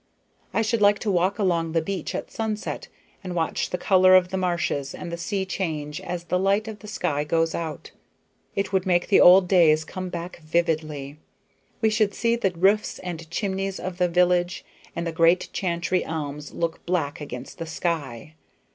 I should like to walk along the beach at sunset, and watch the color of the marshes and the sea change as the light of the sky goes out. It would make the old days come back vividly. We should see the roofs and chimneys of the village, and the great Chantrey elms look black against the sky.